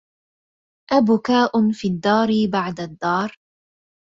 أبكاء في الدار بعد الدار